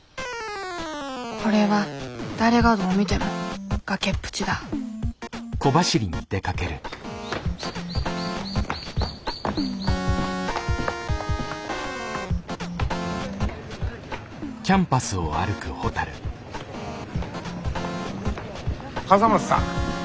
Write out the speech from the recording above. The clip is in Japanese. これは誰がどう見ても崖っぷちだ笠松さん。